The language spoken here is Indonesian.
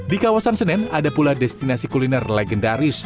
di kawasan senen ada pula destinasi kuliner legendaris